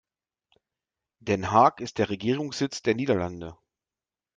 Den Haag ist der Regierungssitz der Niederlande.